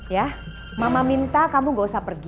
ya mama minta kamu gak usah pergi